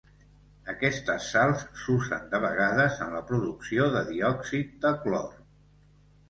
Aquestes sals s'usen de vegades en la producció de diòxid de clor.